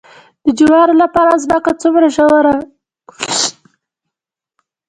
د جوارو لپاره ځمکه څومره ژوره قلبه کړم؟